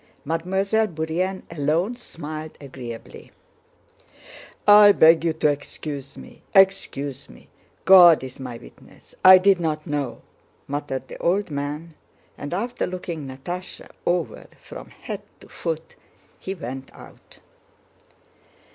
Mademoiselle Bourienne alone smiled agreeably. "I beg you to excuse me, excuse me! God is my witness, I did not know," muttered the old man, and after looking Natásha over from head to foot he went out.